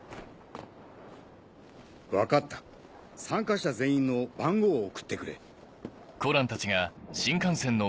分かった参加者全員の番号を送ってくれ。